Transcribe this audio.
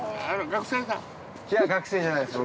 学生じゃないです。